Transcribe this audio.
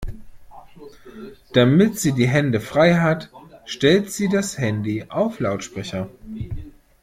Damit sie die Hände frei hat, stellt sie das Handy auf Lautsprecher.